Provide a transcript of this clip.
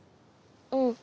うん。